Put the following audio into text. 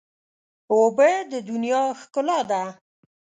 اوبه د دنیا ښکلا ده.